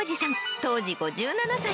当時５７歳。